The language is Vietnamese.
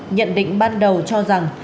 nhận định ban đầu cho rằng